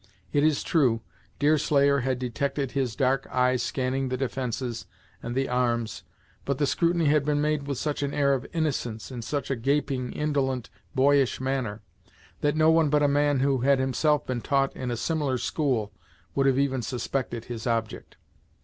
It is true, Deerslayer had detected his dark eye scanning the defences and the arms, but the scrutiny had been made with such an air of innocence, in such a gaping, indolent, boyish manner, that no one but a man who had himself been taught in a similar school, would have even suspected his object.